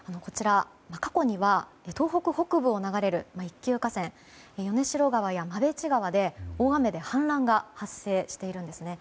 過去には東北北部を流れる一級河川の米代川や馬淵川で大雨で氾濫が発生しているんです。